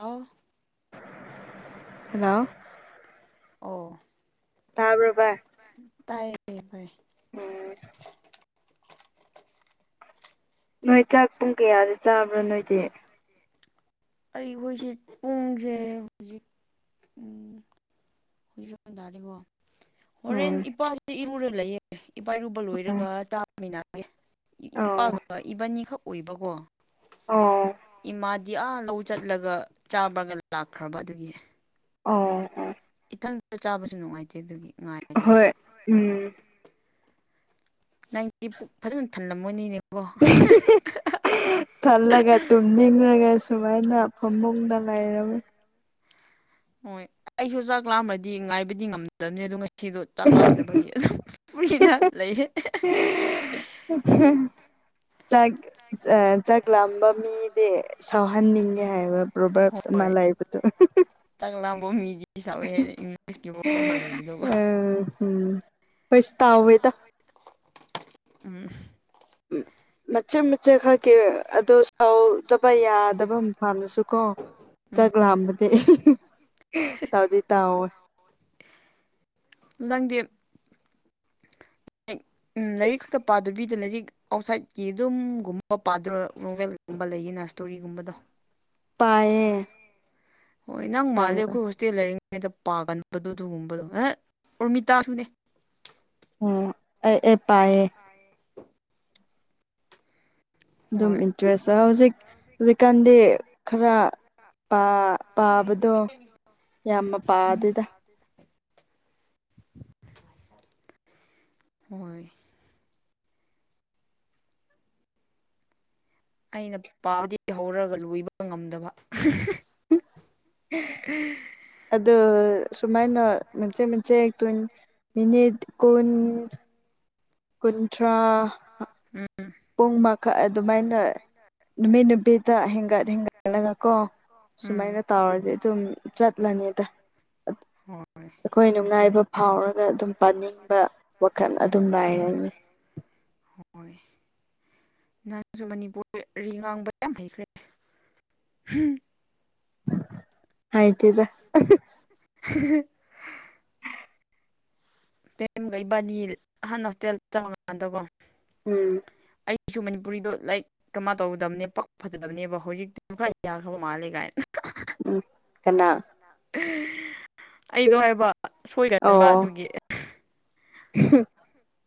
ꯑ ꯍꯂꯣ ꯑꯣ ꯊꯥꯕꯔ ꯇꯥꯏ ꯂꯩ ꯐꯥꯏ ꯎꯝ ꯅꯣꯏ ꯆꯥꯛ ꯄꯨꯡ ꯀꯌꯥꯗ ꯆꯥꯕ꯭ꯔꯣ ꯅꯣꯏꯗꯤ ꯑꯩꯈꯣꯏꯁꯦ ꯄꯨꯡꯁꯦ ꯍꯧꯖꯤꯛ ꯍꯧꯖꯤꯛꯇꯥꯔꯦꯀꯣ ꯍꯣꯔꯦꯟ ꯎꯝ ꯏꯄꯥꯁꯤꯦ ꯏꯔꯨꯔ ꯂꯩꯌꯦꯦ ꯏꯄꯥꯥꯏꯔꯨꯕ ꯎꯝ ꯂꯣꯏꯔꯒ ꯇꯥꯕꯃꯤꯟꯅꯦ ꯑꯣ ꯏꯄꯥꯒ ꯏꯕꯥꯅꯤꯈꯛ ꯑꯣꯏꯕꯀꯣ ꯑꯎꯝ ꯗꯤ ꯑꯥ ꯂꯧ ꯆꯠꯂꯒ ꯆꯥꯕ꯭ꯔꯒ ꯂꯥꯛꯈ꯭ꯔꯕ ꯑꯗꯨꯒꯤ ꯑꯣ ꯑꯣ ꯏꯊꯟꯇ ꯆꯥꯕꯁꯨ ꯅꯨꯡꯉꯥꯏꯇꯦ ꯑꯗꯨꯒꯤ ꯉꯥꯏꯔꯒꯦ ꯍꯣꯏ ꯎꯝ ꯅꯪꯇꯤ ꯄꯨ ꯐꯖꯅ ꯊꯜꯂꯝꯃꯣꯏꯅꯤꯅꯦꯀꯣ ꯊꯜꯂꯒ ꯇꯨꯝꯅꯤꯡꯂꯒ ꯑꯩꯅ ꯁꯨꯃꯥꯏꯅ ꯐꯃꯨꯡꯗ ꯉꯥꯏꯔꯝꯃꯤ ꯍꯣꯏ ꯑꯩꯁꯨ ꯆꯥꯛ ꯂꯥꯑꯃ꯭ꯔꯗꯤ ꯉꯥꯏꯕꯗꯤ ꯉꯝꯗꯕꯅꯤ ꯑꯗꯨ ꯁꯤꯗꯣ ꯆꯥꯛꯉꯝꯗꯕꯒꯤ ꯑꯗꯨꯝ ꯄꯨꯨꯔꯤꯅ ꯂꯩꯍꯦ ꯆꯥꯏ ꯆꯥꯛ ꯂꯥꯝꯕ ꯃꯤꯗꯤ ꯁꯥꯎꯍꯟꯅꯤꯡꯉꯦ ꯍꯥꯏꯕ ꯕꯣꯕꯔꯠꯁ ꯑꯃ ꯂꯩꯕꯗꯣ ꯆꯥꯛꯥꯡꯐꯧ ꯃꯤꯒꯤ ꯁꯋ ꯏꯪꯂꯤꯁꯀꯤꯐꯥꯎ ꯑꯃ ꯂꯩꯕꯗꯧꯕ ꯄꯩꯁ ꯇꯦꯗ ꯎꯝ ꯎꯝ ꯅꯆ ꯆ ꯈꯛꯀꯤꯦ ꯑꯗꯨ ꯁꯥꯎꯗꯕ ꯌꯥꯗꯕ ꯑꯃ ꯄꯥꯜꯅꯁꯨ ꯀꯣ ꯆꯠ ꯂꯝꯕꯗꯤ ꯇꯥꯗꯤ ꯇꯥꯑꯣꯦ ꯂꯪꯗꯦꯝ ꯂꯥꯏꯔꯤꯛ ꯈꯛꯇ ꯄꯥꯗꯕꯤꯗ ꯂꯥꯏꯔꯤꯛ ꯑꯥꯎꯠꯁꯥꯏꯠꯀꯤ ꯑꯗꯨꯝꯒꯨꯝꯕ ꯄꯥꯗꯣꯣꯕꯦꯜ ꯕ ꯂꯩꯌꯦꯅ ꯏꯁꯇꯣꯔꯤꯒꯨꯝꯕꯗꯣ ꯄꯌꯦ ꯍꯣꯏ ꯅꯪ ꯃꯥꯜꯂꯦ ꯑꯩꯈꯣꯏ ꯍꯣꯁꯇꯦꯜ ꯂꯩꯔꯤ ꯗ ꯄꯥꯒꯟꯕꯗꯣ ꯑꯗꯨꯒꯨꯝꯕꯗꯣ ꯑꯦ ꯎꯔꯃꯤꯇꯥꯁꯨꯅꯦ ꯎꯝ ꯑꯦ ꯄꯌꯦꯦ ꯑꯗꯨꯝ ꯍꯣꯏ ꯏꯟꯇꯔꯦꯁ ꯍꯧꯖꯤꯛ ꯍꯧꯖꯤꯛꯀꯥꯟꯗꯤ ꯈꯔ ꯄꯥꯕꯗꯣ ꯌꯥꯝꯃ ꯄꯥ ꯑꯗꯨꯗ ꯍꯣꯏ ꯑꯩꯅ ꯄꯥꯗꯤ ꯍꯧꯔꯒ ꯂꯣꯏꯕ ꯉꯝꯗꯕ ꯑꯗ ꯁꯨꯃꯥꯏꯅꯣꯟ ꯃꯤꯅꯤꯠ ꯀꯟ ꯀꯨꯟꯊ꯭ꯔꯥ ꯎꯝ ꯄꯨꯡ ꯃꯈꯛ ꯑꯗꯨꯃꯥꯏꯅ ꯅꯨꯃꯤꯠ ꯅꯨꯄꯤꯗ ꯍꯦꯟꯒꯠ ꯍꯦꯟꯒꯠꯂꯒ ꯀꯣ ꯎꯝ ꯁꯨꯃꯥꯏꯅ ꯇꯧꯔꯗꯤ ꯑꯗꯨꯝ ꯆꯠꯂꯅꯤꯗ ꯍꯣꯏ ꯑꯩꯈꯣꯏ ꯆꯨꯝꯃꯤ ꯆꯨꯝꯃꯤ ꯅꯨꯡꯉꯥꯏꯕ ꯐꯥꯎꯔꯒ ꯑꯗꯨꯝ ꯄꯥꯅꯤꯡꯕ ꯋꯥꯈꯜ ꯎꯝ ꯑꯗꯨꯝ ꯂꯥꯏꯔꯅꯤ ꯍꯣꯏ ꯅꯪꯁꯨ ꯃꯅꯤꯄꯨꯔꯤ ꯉꯥꯡꯕ ꯌꯥꯝ ꯍꯩꯈ꯭ꯔꯦ ꯍꯥꯏꯇꯗ [unintelligible] ꯄꯦꯝꯈꯩ ꯏꯕꯥꯅꯤ ꯑꯍꯥꯟꯅ ꯍꯣꯁꯇꯦꯜ ꯆꯪꯉꯀꯥꯟꯗꯀꯣ ꯎꯝ ꯑꯩꯁꯨ ꯃꯅꯤꯄꯨꯔꯤꯗꯣ ꯂꯥꯏꯔꯤꯛ ꯀꯃꯥꯏ ꯇꯧꯗꯕꯅꯦ ꯄꯛ ꯐꯖꯗꯕꯅꯦꯕ ꯍꯧꯖꯤꯛꯇꯤꯁꯨ ꯈꯔ ꯌꯥꯈ꯭ꯔꯕ ꯃꯥꯜꯂꯦ ꯀꯥꯏꯅ ꯎꯝ ꯀꯅꯥ ꯑꯩꯗꯣ ꯍꯥꯏꯕ ꯁꯣꯏꯗꯕ ꯑꯣ ꯑꯗꯨꯒꯤ [unintelligible]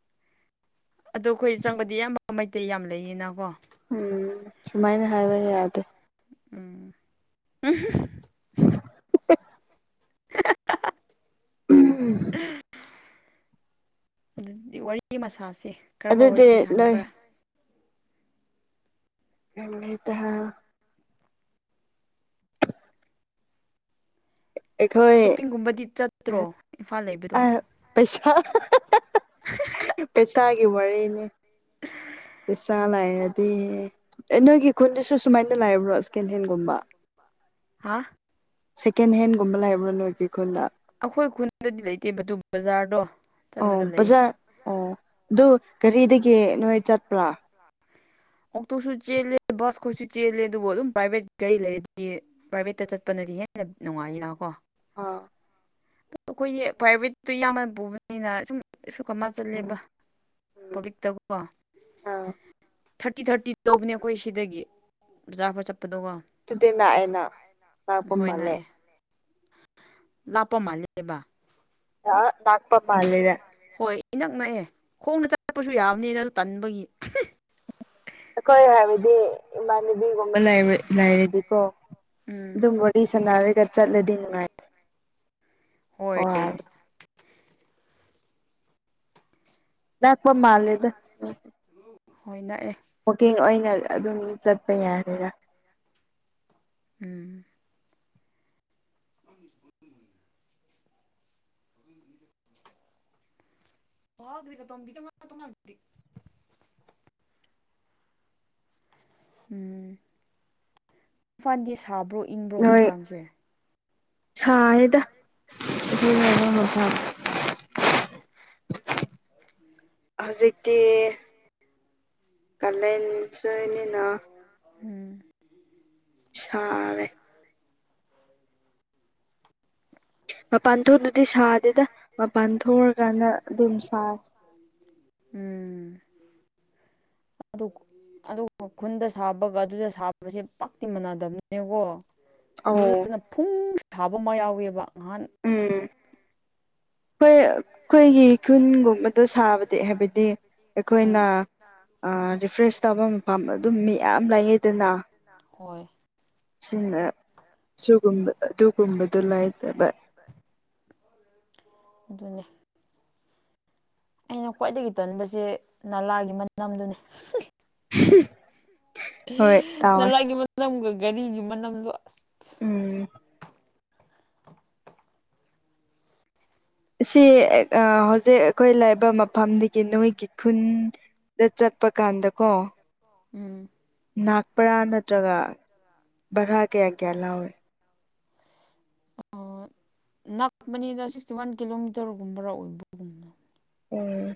ꯑꯣ ꯑꯩꯈꯣꯏ ꯆꯪꯕꯗꯤ ꯑꯌꯥꯝꯕ ꯃꯩꯇꯩ ꯌꯥꯝ ꯂꯩꯌꯦꯅ ꯀꯣ ꯎꯝ ꯁꯨꯃꯥꯏꯅ ꯍꯥꯏꯕ ꯌꯥꯗꯦ ꯎꯝ ꯎꯝ ꯑꯗꯨꯗꯤ ꯋꯥꯔꯤ ꯃꯁꯥꯁꯦ ꯀꯔꯝꯕ ꯑꯗꯨꯗꯤ ꯋꯥꯔꯤ ꯅꯣꯏ ꯁꯥꯅꯤꯡꯕ꯭ꯔꯥ [unintelligible] ꯑꯩꯈꯣꯏ ꯁꯣꯞꯄꯤꯡꯒꯨꯝꯕꯗꯤ ꯆꯠꯇ꯭ꯔꯣ ꯏꯝꯐꯥꯜ ꯂꯩꯕꯗꯣ ꯄꯩꯁꯥ ꯄꯩꯁꯥꯒꯤ ꯋꯥꯔꯤꯅꯦ ꯈꯔ ꯄꯁꯥꯂꯥꯏꯔꯗꯤ ꯂꯩꯔꯗꯤ ꯍꯦꯟꯒꯨꯝꯕ [unintelligible] ꯁꯦꯀꯦꯟ ꯍꯦꯟꯒꯨꯝꯕ ꯂꯩꯕ꯭ꯔꯥ ꯅꯣꯏꯒꯤꯈꯣꯟꯗ ꯑꯩꯈꯣꯏ ꯈꯨꯟꯗꯗꯤ ꯂꯩꯇꯦ ꯑꯗꯨ ꯕꯖꯥꯔꯗꯣ ꯑꯣ ꯆꯠꯂꯒ ꯂꯩꯌꯦ ꯕꯖꯥꯔ ꯑꯣ ꯑꯗꯨ ꯒꯥꯔꯤꯗꯒꯤ ꯅꯣꯏ ꯆꯠ [unintelligible] ꯑꯣꯛꯇꯣꯁꯨ ꯆꯦꯜꯂꯦ ꯕꯁ ꯈꯣꯏꯁꯨ ꯆꯦꯜꯂꯦ ꯑꯗꯨꯕꯨ ꯑꯗꯨꯝ ꯄ꯭ꯔꯥꯏꯚꯦꯠ ꯒꯥꯔꯤ ꯂꯩꯔꯗꯤ ꯄ꯭ꯔꯥꯏꯚꯦꯠꯇ ꯆꯠꯄꯅꯦ ꯍꯥꯏꯗꯤ ꯍꯦꯟꯅ ꯅꯨꯡꯉꯥꯏꯅ ꯀꯣ ꯑꯥ ꯑꯩꯈꯣꯏꯒꯤ ꯄ꯭ꯔꯥꯏꯚꯦꯠꯇꯨ ꯌꯥꯝꯃ ꯄꯨꯕꯅꯤꯅ ꯁꯨꯝ ꯑꯁꯨ ꯀꯃ ꯎꯝ ꯆꯠꯂꯦꯕ ꯎꯝ ꯄꯕ꯭ꯂꯤꯛꯇꯀꯣ ꯑꯥ ꯊꯥꯔꯇꯤ ꯊꯥꯔꯇꯤ ꯇꯧꯕꯅꯦ ꯑꯩꯈꯣꯏ ꯁꯤꯗꯒꯤ ꯄꯖꯥ ꯆꯠꯄ ꯑꯗꯨꯗꯤ ꯂꯥꯛꯑꯦꯅ ꯂꯥꯛꯄ ꯃꯥꯜꯂꯦ ꯂꯥꯄꯝꯍꯜꯦꯕ ꯑ ꯅꯥꯥꯛꯄꯃ ꯑꯜꯗ ꯍꯣꯏ ꯏꯅꯛ ꯅꯛꯑꯦ ꯈꯣꯡꯅ ꯆꯠꯛꯄꯁꯨ ꯌꯥꯕꯅꯤ ꯅꯪ ꯇꯟꯕꯒꯤ ꯑꯩꯈꯣꯏ ꯍꯥꯏꯕꯗꯤ ꯏꯃꯥꯟꯅꯕꯤꯒꯨꯝꯕ ꯂꯩꯔꯗꯤꯀꯣ ꯎꯝ ꯑꯗꯨꯝ ꯋꯥꯔꯤ ꯁꯥꯟꯅꯔꯒ ꯆꯠꯂꯗꯤ ꯅꯨꯡꯉꯥꯏ ꯍꯣꯏ [unintelligible] ꯂꯥꯛꯄ ꯃꯥꯜꯂꯤꯗ ꯍꯣꯏ ꯅꯛꯑꯦ ꯋꯀꯤꯡ ꯑꯣꯏꯅ ꯑꯗꯨꯝ ꯆꯠꯄ ꯌꯥꯔꯦꯔꯥ [unintelligible] [unintelligible] ꯎꯝ ꯏꯐꯜꯗꯤ ꯁꯥꯕ꯭ꯔꯣ ꯏꯪꯕ꯭ꯔꯣ ꯅꯣꯏ ꯍꯧꯖꯤꯛꯀꯥꯟꯁꯦ [unintelligible] ꯍꯧꯖꯤꯛꯇꯤ ꯀꯂꯟꯁꯨꯅꯤꯅ ꯎꯝ ꯁꯔꯦ ꯃꯄꯥꯟꯊꯨꯅ ꯑꯗꯨꯗꯤ ꯁꯥꯗꯦꯗ ꯃꯄꯥꯟ ꯊꯣꯛꯑꯀꯥꯟꯗ ꯑꯗꯨꯝ ꯁꯥꯏ ꯑꯗ ꯑꯗꯨꯒ ꯈꯨꯟꯗ ꯁꯥꯕꯒ ꯑꯗꯨꯗ ꯁꯥꯕꯁꯦ ꯄꯥꯛꯇꯤ ꯃꯥꯟꯅꯗꯕꯅꯤꯅꯦꯀꯣ ꯑꯧ ꯑꯗꯨꯗꯨꯅ ꯐꯨꯡ ꯁꯥꯕ ꯑꯃ ꯌꯥꯎꯋꯦꯕ ꯉꯍꯥꯟ ꯍꯣꯏ ꯑꯩꯈꯣꯏꯒꯤ ꯈꯨꯟꯒꯨꯝꯕꯗ ꯁꯥꯕꯗꯤ ꯁꯥꯕꯁꯦ ꯍꯥꯏꯕꯗꯤ ꯑꯩꯈꯣꯏꯅ ꯑꯥ ꯔꯤꯐ꯭ꯔꯦꯁ ꯇꯧꯕ ꯐ꯭ꯔꯦꯁ ꯃꯐꯝ ꯆꯥꯐꯝ ꯑꯗꯨꯝ ꯄꯥꯝꯕꯗꯨ ꯃꯤꯌꯥꯝ ꯃꯤ ꯌꯥꯝ ꯂꯩꯌꯦꯗꯅ ꯍꯣꯏ ꯁꯤꯅꯒꯨꯝꯕ ꯑꯗꯨꯒꯨꯝꯕ ꯑꯗꯨꯒꯨꯝꯕꯗꯨ ꯂꯩꯥꯇꯕ ꯍ ꯑꯗꯨꯅꯦ ꯑꯩꯅ ꯈ꯭ꯋꯥꯏꯗꯒꯤ ꯇꯟꯕꯁꯦ ꯅꯂꯥꯒꯤ ꯃꯅꯝꯗꯨꯅꯦ ꯍꯣꯏ ꯇꯥꯎꯋꯦ ꯅꯄꯒꯤ ꯃꯅꯝꯒ ꯒꯥꯔꯤꯒꯤ ꯃꯅꯝꯗꯣ ꯑꯁ ꯎꯝ ꯁꯤ ꯍꯧꯖꯤꯛ ꯑꯩꯈꯣꯏ ꯂꯩꯕ ꯃꯐꯝꯗꯒꯤ ꯅꯣꯏꯒꯤ ꯈꯨꯟ ꯗ ꯆꯠꯄ ꯀꯥꯟꯗꯀꯣ ꯎꯝ ꯅꯛꯄꯔꯥ ꯅꯠꯇ꯭ꯔꯒ ꯚꯔꯥ ꯀꯌꯥ ꯀꯌꯥ ꯂꯧꯋꯤ ꯅꯛꯄꯅꯤꯗ ꯁꯤꯛꯁꯇꯤ ꯋꯥꯟ ꯀꯤꯂꯣꯃꯤꯇꯔꯒꯨꯝꯕꯔ ꯑꯣꯏꯕꯒꯨꯝꯅ ꯎꯝ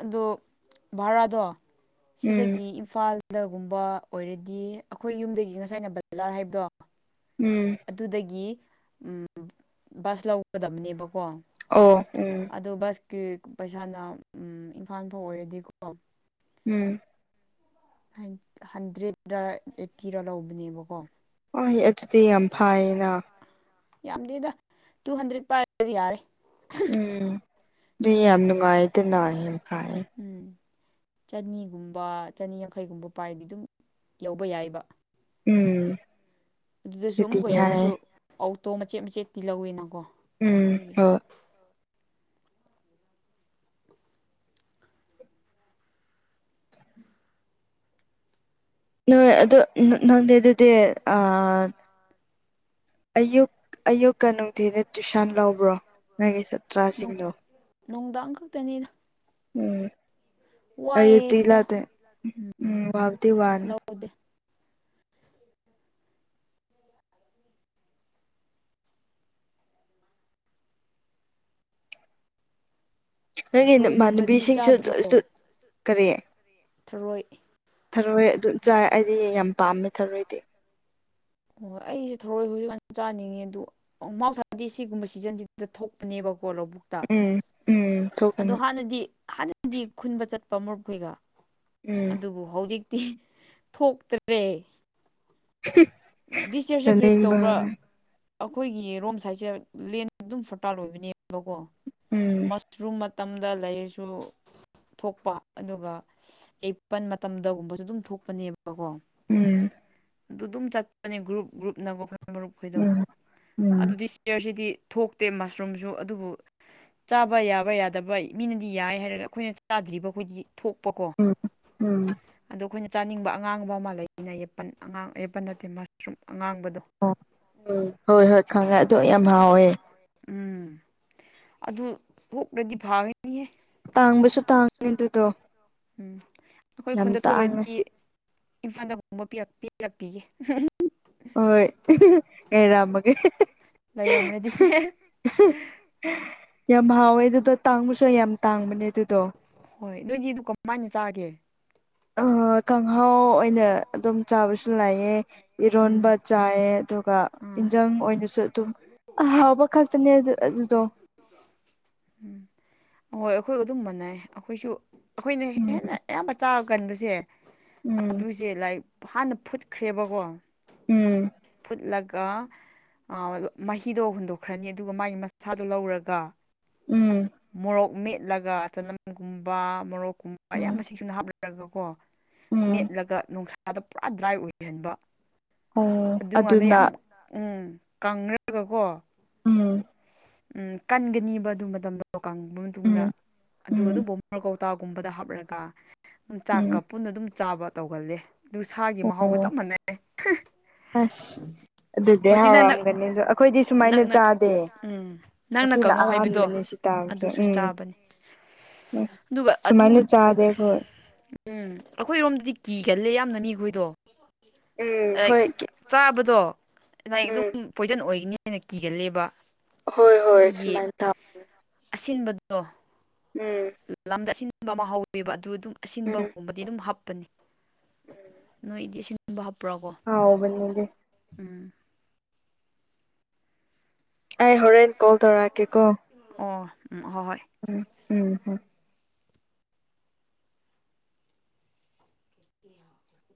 ꯑꯗꯣ ꯚꯔꯥꯗꯣ ꯎꯝ ꯁꯤꯗꯒꯤ ꯏꯝꯐꯥꯜ ꯗꯒꯨꯝꯕ ꯑꯣꯏꯔꯗꯤ ꯑꯩꯈꯣꯏ ꯌꯨꯝꯗꯒꯤ ꯉꯁꯥꯏꯅ ꯕꯖꯥꯔ ꯍꯥꯏꯕꯗꯣ ꯎꯝ ꯑꯗꯨꯗꯒꯤ ꯕꯁ ꯂꯧꯒꯗꯕꯅꯦꯕ ꯀꯣ ꯑꯣ ꯎꯝ ꯑꯗꯣ ꯕꯁꯀꯤ ꯄꯩꯁꯥꯅ ꯎꯝ ꯏꯝꯐꯥꯜ ꯐꯥꯎ ꯑꯣꯏꯔꯗꯤꯀꯣ ꯎꯝ ꯍꯟꯗ꯭ꯔꯦꯗꯔ ꯑꯩꯠꯇꯤꯔ ꯂꯧꯕꯅꯦꯕꯀꯣ ꯍꯩ ꯑꯗꯨꯗꯤ ꯌꯥꯝ ꯐꯥꯏꯌꯦꯅ ꯌꯥꯝꯗꯦꯗ ꯇꯨ ꯍꯟꯗ꯭ꯔꯦꯠ ꯄꯥꯏꯔꯗꯤ ꯌꯥꯔꯦ ꯎꯝ ꯌꯥꯝ ꯅꯨꯡꯉꯥꯏꯗꯅ ꯐꯥꯏꯌꯦ ꯎꯝ ꯆꯅꯤꯒꯨꯝꯕ ꯆꯅꯤ ꯌꯥꯡꯈꯩꯒꯨꯝꯕ ꯄꯥꯏꯔꯗꯤ ꯑꯗꯨꯝ ꯌꯧꯕ ꯌꯥꯏꯕ ꯎꯝ ꯑꯗꯨꯗꯁꯨ ꯑꯗꯨꯗꯤ ꯑꯃꯨꯛꯀ ꯌꯥꯏ ꯌꯧꯔꯁꯨ ꯑꯣꯇꯣ ꯃꯆꯦꯠ ꯃꯆꯦꯠꯇꯤ ꯂꯧꯋꯤꯅꯀꯣ ꯎꯝ ꯍꯣꯏ ꯅꯣꯏ ꯑꯗꯣ ꯍꯣꯏ ꯑꯗꯨ ꯅꯪꯗꯤ ꯑꯗꯨꯗꯤ ꯑꯗꯨꯗꯤ ꯑꯥ ꯆꯠꯂꯤꯗꯤ ꯑꯌꯨꯛ ꯑꯌꯨꯛꯀ ꯅꯨꯡꯊꯤꯗ ꯇꯨꯏꯁꯟ ꯂꯧꯕ꯭ꯔꯣ ꯅꯪꯒꯤ ꯁꯥꯇ꯭ꯔꯁꯤꯡꯗꯣ ꯅꯨꯡꯗꯥꯡ ꯈꯛꯇꯅꯤꯅ ꯎꯝ ꯑꯌꯨꯛꯇꯤ ꯋꯥꯏꯑꯦꯗ ꯂꯧꯗꯦ ꯎꯝ ꯋꯥꯕꯗꯤ ꯎꯝ ꯋꯥꯅꯤ ꯂꯧꯗꯦ ꯅꯪꯒꯤ ꯊꯔꯣꯏꯒꯨꯝꯕꯗꯤ ꯏꯃꯥꯟꯅꯕꯤꯁꯤꯡꯁꯨ ꯆꯥꯗ꯭ꯔꯣ ꯑꯗꯨ ꯀꯔꯤ ꯊꯔꯣꯏ ꯊꯔꯣꯏ ꯑꯗꯨꯝ ꯆꯥꯏ ꯑꯩꯗꯤ ꯌꯥꯝ ꯄꯥꯝꯃꯦ ꯊꯔꯣꯏꯗꯤ ꯍꯣꯏ ꯑꯩꯁꯦ ꯊꯔꯣꯏ ꯍꯧꯖꯤꯛ ꯌꯥꯝ ꯆꯥꯅꯤꯡꯉꯦ ꯑꯗꯨ ꯃꯍꯧꯁꯥꯗꯤ ꯁꯤꯒꯨꯝꯕ ꯁꯤꯖꯟꯁꯤꯗ ꯊꯣꯛꯄꯅꯦꯕꯀꯣ ꯀꯣ ꯂꯧꯕꯨꯛꯇ ꯎꯝ ꯎꯝ ꯑꯗꯣ ꯊꯣꯛꯀꯅꯤ ꯍꯥꯟꯅꯗꯤ ꯍꯥꯟꯅꯗꯤ ꯈꯨꯟꯕ ꯆꯠꯄ ꯃꯔꯨꯞꯈꯣꯏꯒ ꯎꯝ ꯑꯗꯨꯕꯨ ꯍꯧꯖꯤꯛ ꯇꯤ ꯊꯣꯛꯇ꯭ꯔꯦ ꯗꯤꯁ ꯌꯔꯁꯨ ꯀꯔꯤ ꯆꯥꯅꯤꯡꯕ ꯇꯧꯕ꯭ꯔꯥ ꯑꯩꯈꯣꯏꯒꯤ ꯔꯣꯝ ꯁꯥꯏꯠꯁꯦ ꯂꯦꯟ ꯑꯗꯨꯝ ꯐꯔꯇꯥꯏꯜ ꯑꯣꯏꯕꯅꯦꯕꯀꯣ ꯎꯝ ꯃꯁꯔꯨꯝ ꯃꯇꯝꯗ ꯂꯩꯔꯁꯨ ꯊꯣꯛꯄ ꯑꯗꯨꯒ ꯑꯦꯄꯜ ꯃꯇꯝꯗꯒꯨꯝꯕꯁꯨ ꯑꯗꯨꯝ ꯊꯣꯛꯄꯅꯦꯕꯀꯣ ꯎꯝ ꯑꯗꯨ ꯑꯗꯨꯝ ꯆꯠꯄꯅꯦ ꯒ꯭ꯔꯨꯞ ꯒ꯭ꯔꯨꯞꯅꯅꯕ ꯑꯩꯈꯣꯏ ꯃꯔꯨꯞꯈꯣꯏꯗꯣ ꯎꯝ ꯎꯝ ꯑꯗꯨꯗꯤ ꯁꯤꯌꯔꯁꯤꯗꯤ ꯊꯣꯛꯇꯦ ꯃꯁꯔꯨꯝꯁꯨ ꯑꯗꯨꯕꯨ ꯆꯥꯕ ꯌꯥꯕ ꯌꯥꯗꯕ ꯃꯤꯅꯗꯤ ꯌꯥꯏ ꯍꯥꯏꯔꯒ ꯑꯩꯈꯣꯏꯅ ꯆꯥꯗ꯭ꯔꯤꯕ ꯑꯩꯈꯣꯏꯗꯤ ꯊꯣꯛꯄꯀꯣ ꯑꯣ ꯎꯝ ꯎꯝ ꯎꯝ ꯑꯩꯈꯣꯏꯅ ꯆꯥꯅꯤꯡꯕ ꯑꯉꯥꯡꯕ ꯑꯃ ꯂꯩꯅꯄꯟ ꯑꯉꯥꯡ ꯌꯦꯄꯟ ꯅꯠꯇꯦ ꯃꯁꯔꯨꯝ ꯑꯉꯥꯡꯕꯗꯣ ꯎ ꯍꯣꯏ ꯍꯣꯏ ꯈꯪꯉꯦ ꯌꯥꯝ ꯍꯥꯎꯋꯦ ꯎꯝ ꯑꯗꯨ ꯀꯣꯛꯅꯗꯤ ꯐꯥꯒꯅꯤꯍꯦ ꯇꯥꯡꯕꯁꯨ ꯇꯥꯡꯉꯅꯤ ꯑꯗꯨꯗꯣ ꯎꯝ ꯑꯩꯈꯣꯏ ꯌꯥꯝ ꯈꯨꯟꯗ ꯇꯥꯡꯉꯦ ꯊꯣꯛꯈ꯭ꯔꯗꯤ ꯏꯝꯐꯥꯜꯗꯒꯣꯡꯕ ꯄꯤꯔꯛꯄꯤꯒꯦ ꯍꯣꯏ ꯑꯦꯔꯝꯒ ꯂꯩꯔꯝꯃꯒꯦ ꯂꯩꯔꯝꯔꯗꯤ [inaudible] ꯌꯥꯝ ꯍꯥꯎꯋꯦ ꯑꯗꯨꯗ ꯇꯥꯡꯕꯁꯨ ꯌꯥꯝ ꯇꯥꯡꯕꯅꯦ ꯑꯗꯨꯗꯣ ꯍꯣꯏ ꯅꯣꯏꯗꯤ ꯑꯗꯨ ꯀꯃꯥꯏꯅ ꯆꯥꯒꯦ ꯑ ꯀꯥꯡꯍꯥꯎ ꯑꯣꯏꯅ ꯑꯗꯨꯝ ꯑꯣꯏꯅ ꯆꯥꯕꯁꯨ ꯑꯗꯨꯝ ꯂꯥꯛꯑꯦ ꯆꯥꯕꯁꯨ ꯂꯩꯌꯦ ꯎꯝ ꯏꯔꯣꯟꯕ ꯆꯥꯏ ꯑꯗꯨꯒ ꯑꯥ ꯌꯦꯟꯖꯥꯡ ꯏꯟꯖꯥꯡ ꯑꯣꯏꯅꯁꯨ ꯑꯗꯨꯝ ꯑ ꯍꯥꯎꯕ ꯑꯍꯥꯎꯕ ꯀꯜꯇꯅꯦꯦ ꯑꯗꯨ ꯈꯛꯇꯅꯦ ꯑꯗꯨꯗꯨꯣ ꯎꯝ ꯑꯣ ꯑꯩꯈꯣꯏ ꯑꯗꯨꯝ ꯃꯥꯟꯅꯩ ꯑꯩꯈꯣꯏꯁꯨ ꯑꯩꯈꯣꯏꯅ ꯎꯝ ꯍꯦꯟꯅ ꯑꯌꯥꯝꯕ ꯆꯥꯕ ꯀꯟꯕꯁꯦ ꯎꯝ ꯑꯗꯨꯁꯦ ꯂꯥꯏꯛ ꯍꯥꯟꯅ ꯐꯨꯠꯈ꯭ꯔꯦꯕꯀꯣ ꯎꯝ ꯂꯒꯥ ꯃꯍꯤꯗꯣ ꯍꯨꯟꯗꯣꯛꯈ꯭ꯔꯅꯤ ꯑꯗꯨꯒ ꯃꯥꯒꯤ ꯃꯁꯥꯗꯣ ꯂꯧꯔꯒ ꯎꯝ ꯃꯣꯔꯣꯛ ꯃ ꯂꯒ ꯆꯅꯝꯒꯨꯝꯕ ꯃꯣꯔꯣꯛꯀꯨꯝꯕ ꯎꯝ ꯑꯌꯥꯝꯕ ꯃꯁꯤꯡꯁꯨꯅ ꯍꯥꯞꯂꯔꯒ ꯀꯣ ꯎꯝ ꯃꯦꯠꯂꯒ ꯅꯨꯡꯁꯥꯗ ꯄꯨꯔꯥ ꯗ꯭ꯔꯥꯏ ꯑꯣꯏꯍꯟꯕ ꯑꯣ ꯑꯗꯨꯅ ꯀꯪꯂꯪꯔꯒꯀꯣ ꯎꯝ ꯎꯝ ꯀꯟꯒꯅꯤꯕ ꯑꯗꯨ ꯃꯇꯝꯗꯣ ꯀꯪꯕ ꯃꯇꯨꯡꯗ ꯎꯝ ꯑꯗꯨꯒ ꯎꯝ ꯑꯗꯨꯝꯕ ꯀꯥꯎ ꯍꯞꯇꯥꯒꯨꯝꯕꯗ ꯍꯥꯞꯂꯒ ꯑꯗꯨꯝ ꯆꯥꯛꯀ ꯎꯝ ꯄꯨꯟꯅ ꯑꯗꯨꯝ ꯆꯥꯕ ꯇꯧꯒꯜꯂꯦ ꯁꯥꯒꯤ ꯃꯍꯥꯎꯒ ꯑꯣ ꯆꯞ ꯃꯥꯟꯅꯩ ꯑꯁ ꯑꯗꯨꯗꯤ ꯍꯧꯖꯤꯛ ꯅꯪꯅ ꯍꯥꯎꯔꯝꯒꯅꯤꯁꯨꯣ ꯑꯩꯈꯣꯏꯗꯤ ꯁꯨꯃꯥꯏꯅ ꯅꯪꯅ ꯆꯥꯗꯦ ꯎꯝ ꯅꯪꯅ ꯃꯁꯤꯅ ꯀꯥꯡꯉꯧ ꯍꯥꯏꯕꯗꯣ ꯑꯍꯥꯟꯕꯅꯤ ꯁꯤꯇꯝꯁꯦ ꯑꯗꯨꯁꯨ ꯎꯝ ꯆꯥꯕꯅꯤ ꯑꯁ ꯑꯗꯨꯒ ꯑꯗꯨ ꯁꯨꯃꯥꯏꯅ ꯆꯥꯗꯦ ꯑꯩꯈꯣꯏ ꯎꯝ ꯑꯩꯈꯣꯏꯔꯣꯝꯗꯗꯤ ꯀꯤꯒꯜꯂꯦ ꯌꯥꯝ ꯝꯅꯅꯤꯈꯨꯣꯏꯗꯣ ꯎꯝ ꯍꯣꯏꯦ ꯆꯥꯕꯗꯣ ꯂꯥꯏꯛ ꯑꯗꯨꯝ ꯄꯣꯏꯖꯟ ꯑꯣꯏꯒꯅꯤꯅ ꯀꯤꯒꯜꯂꯦꯕ ꯍꯣꯏ ꯍꯣꯏ ꯑꯗꯨꯒꯤ ꯃꯥꯏ ꯊ ꯑꯁꯤꯟꯕꯗꯣ ꯂꯝꯗ ꯑꯁꯤꯟꯕ ꯑꯃ ꯍꯧꯋꯦꯕ ꯑꯗꯨ ꯑꯗꯨꯝ ꯎꯝ ꯑꯁꯤꯟꯕꯒꯨꯝꯕꯗꯤ ꯑꯗꯨꯝ ꯍꯥꯞꯄꯅꯤ ꯅꯣꯏꯗꯤ ꯑꯁꯤꯟꯕ ꯍꯥꯄ ꯄ꯭ꯔꯕꯣ ꯎꯝ ꯍꯥꯎꯕꯅꯤꯗꯤ ꯎꯝ ꯑꯩ ꯍꯣꯔꯦꯟ ꯀꯣꯜ ꯇꯧꯔꯛꯀꯦꯀꯣ ꯑꯣ ꯎ ꯍ ꯍꯣꯏ ꯎꯝ ꯎꯝꯝ [inaudible]